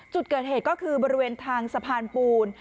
จุดเกิดเหตุก็คือบริเวณทางสะพานปูน